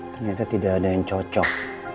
ternyata tidak ada yang cocok